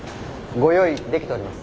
ご用意できております。